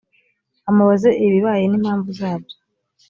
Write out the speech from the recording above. amubaze ibibaye n impamvu zabyo